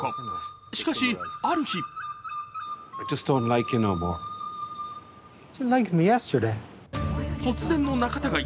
しかし、ある日突然の仲たがい。